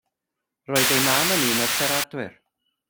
Roedd ei mam yn un o'r siaradwyr.